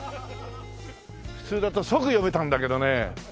普通だと即読めたんだけどね。